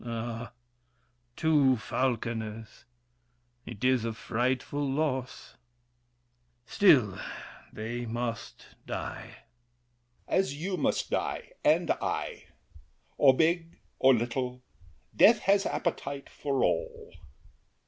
Ah, Two falconers! It is a frightful loss! Still, they must die. L'ANGELY. As you must die, and I. Or big or little, death has appetite For all.